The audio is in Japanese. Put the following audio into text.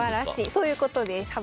そういうことですか？